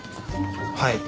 はい。